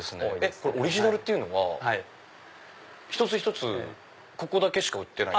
これオリジナルっていうのは一つ一つここでしか売ってない？